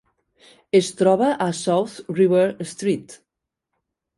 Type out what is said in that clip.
Es troba a South River Street.